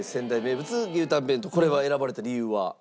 これは選ばれた理由は？